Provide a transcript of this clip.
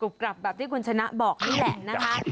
กลับแบบที่คุณชนะบอกนี่แหละนะคะ